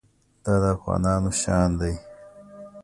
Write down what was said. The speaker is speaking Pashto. دا د افغانانو شان دی.